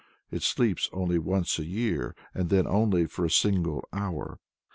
It sleeps only once a year, and then only for a single hour.